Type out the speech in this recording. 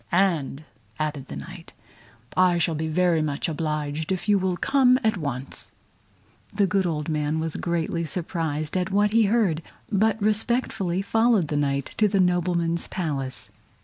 "And," added the Knight, "I shall be very much obliged if you will come at once." The good old man was greatly surprised at what he heard, but respectfully followed the Knight to the nobleman's Palace.